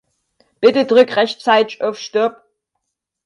Bitte drück rechtzeitig auf Stopp.